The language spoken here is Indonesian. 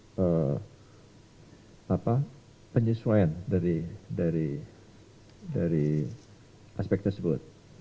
itu bukan penyesuaian dari aspek tersebut